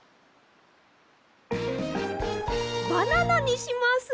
バナナにします！